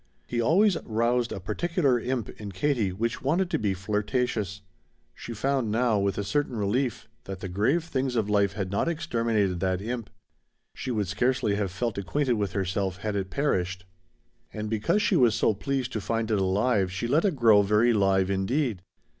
He always roused a particular imp in Katie which wanted to be flirtatious. She found now, with a certain relief, that the grave things of life had not exterminated that imp. She would scarcely have felt acquainted with herself had it perished. And because she was so pleased to find it alive she let it grow very live indeed.